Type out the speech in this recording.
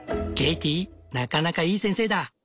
ケイティなかなかいい先生だ。